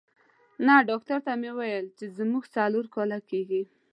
نه، ډاکټر ته مې وویل چې زموږ څلور کاله کېږي.